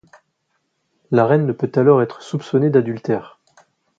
La reine ne peut alors être soupçonnée d'adultère.